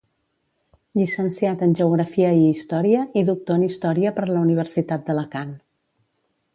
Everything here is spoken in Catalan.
Llicenciat en Geografia i Història i Doctor en Història per la Universitat d'Alacant.